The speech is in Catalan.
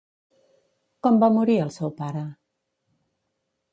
Com va morir el seu pare?